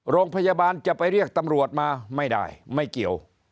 โรงพยาบาลจะไปเรียกตำรวจมาไม่ได้ไม่เกี่ยว